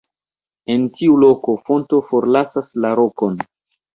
En tiu loko fonto forlasas la rokon.